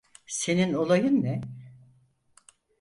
Senin olayın ne?